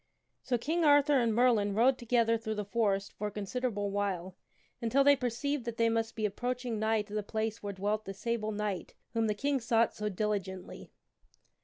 SO King Arthur and Merlin rode together through the forest for a considerable while, until they perceived that they must be ap proaching nigh to the place where dwelt the Sable Knight whom the King sought so diligently.